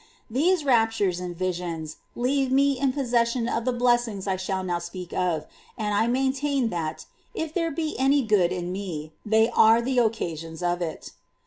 These raptures and visions leave me in possession of the blessings I shall now speak of; and I maintain that, if there be any good in me, they are the occa sions of it.